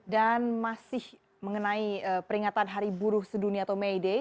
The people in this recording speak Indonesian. dan masih mengenai peringatan hari buruh sedunia atau may day